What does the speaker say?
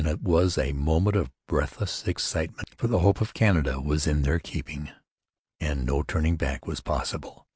It was a moment of breathless excitement; for the hope of Canada was in their keeping and no turning back was possible.